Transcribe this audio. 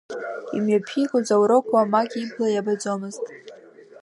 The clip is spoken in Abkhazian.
Имҩаԥигоз аурок уамак ибла иабаӡомызт.